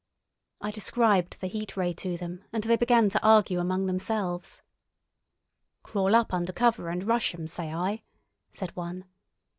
I described the Heat Ray to them, and they began to argue among themselves. "Crawl up under cover and rush 'em, say I," said one.